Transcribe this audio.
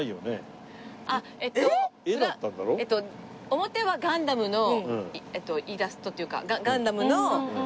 表はガンダムのイラストっていうかガンダムの。